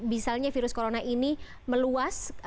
misalnya virus corona ini meluas